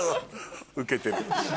ウケてる。